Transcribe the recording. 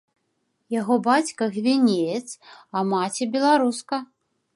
Яго бацька гвінеец, а маці беларуска.